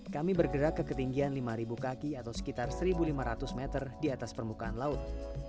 kami bergerak ke ketinggian lima kaki atau sekitar satu lima ratus meter di atas permukaan laut